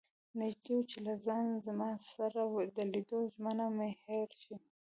نژدې وو چې له خان زمان سره د لیدو ژمنه مې هېره شي.